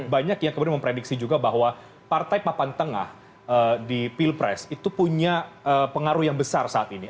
banyak yang kemudian memprediksi juga bahwa partai papan tengah di pilpres itu punya pengaruh yang besar saat ini